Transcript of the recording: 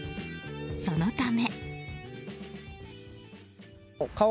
そのため。